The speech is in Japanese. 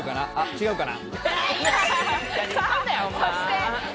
違うかな。